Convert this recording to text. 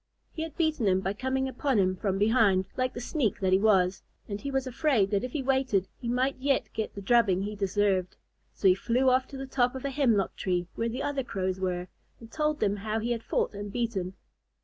He had beaten him by coming upon him from behind, like the sneak that he was, and he was afraid that if he waited he might yet get the drubbing he deserved. So he flew off to the top of a hemlock tree where the other Crows were, and told them how he had fought and beaten.